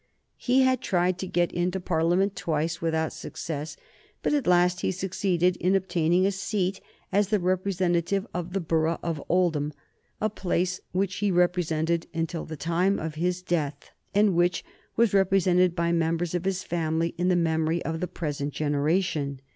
He had tried to get into Parliament twice without success; but at last he succeeded in obtaining a seat as the representative of the borough of Oldham, a place which he represented until the time of his death, and which was represented by members of his family in the memory of the present generation.